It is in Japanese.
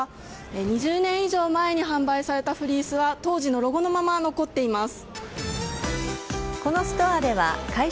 ２０年以上前に販売されたフリースは、当時のロゴのまま残っています。